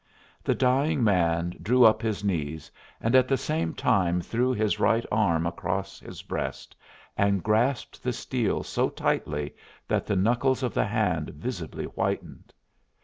The dying man drew up his knees and at the same time threw his right arm across his breast and grasped the steel so tightly that the knuckles of the hand visibly whitened.